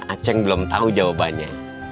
acing belum tahu jawabannya